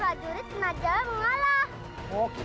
kalau pak jurit tenaga mengalah